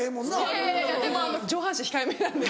いやいやいやでも上半身控えめなんで。